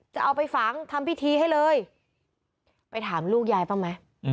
จะเอาไปฝังทำพิธีให้เลยไปถามลูกยายบ้างไหม